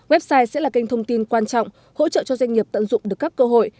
website sẽ là kênh thông tin quan trọng hỗ trợ cho doanh nghiệp tận dụng được các cơ hội